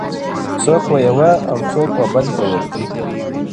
څوک و یوه او څوک و بل ته ورځي-